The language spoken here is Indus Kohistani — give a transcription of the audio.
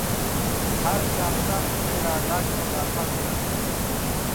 ہر کال تام دُنئ لا لاکھؤں لا خلکہ